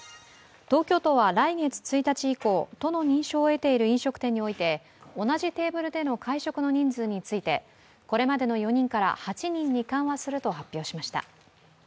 東京都は来月１日以降、都の認証を得ている飲食店において同じテーブルでの会食の人数についてこれまでの４人から８人に緩和すると発表しました。